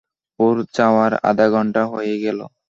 ওর যাওয়ার আধা ঘন্টা হয়ে গেল।